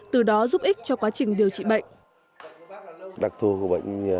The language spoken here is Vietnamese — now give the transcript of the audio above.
từ đó giúp ích cho quá trình điều trị bệnh